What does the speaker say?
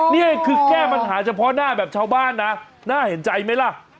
นี่คือแก้ปัญหาเฉพาะหน้าแบบชาวบ้านนะน่าเห็นใจไหมล่ะ